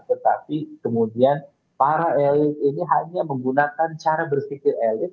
tetapi kemudian para elit ini hanya menggunakan cara berpikir elit